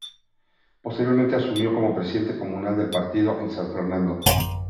Posteriormente asumió como presidente comunal del partido en San Fernando.